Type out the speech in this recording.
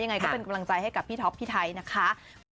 ยังไงก็เป็นกำลังใจให้กับพี่ท็อปพี่ไทยนะคะ